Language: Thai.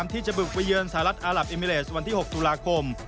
ที่จะบุกไปเยือนสหรัฐอารับเอมิเลสวันที่๖ตุลาคม